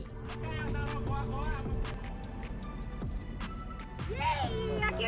kita yang taruh goa goa